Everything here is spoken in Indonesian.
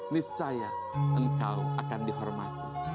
niscaya engkau akan dihormati